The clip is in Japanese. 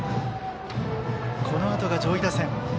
このあとが上位打線。